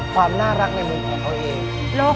เดินมาแล้วรู้สึกโดดเด็ด